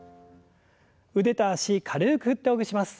腕と脚軽く振ってほぐします。